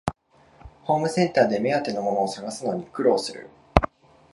ホームセンターで目当てのものを探すのに苦労する